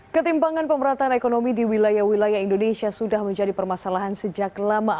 ketimpangan pemerataan ekonomi di wilayah wilayah indonesia sudah menjadi permasalahan sejak lama